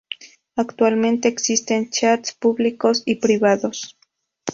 Actualmente existen "cheats" públicos y privados.